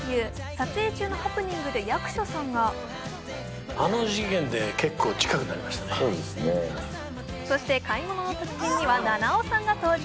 撮影中のハプニングで役所さんはそして「買い物の達人」には菜々緒さんが登場。